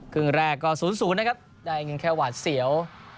ครึ่งแรกก็๐๐นะครับได้เงินแค่หวาดเสียว